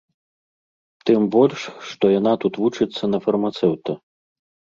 Тым больш што яна тут вучыцца на фармацэўта.